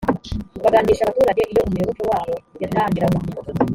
bagandisha abaturage iyo umuyoboke wabo yatangiraga